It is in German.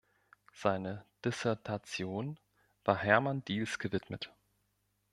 Seine Dissertation war Hermann Diels gewidmet.